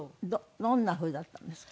どんなふうだったんですか？